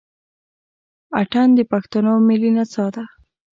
اتڼ د پښتنو ملي نڅا ده.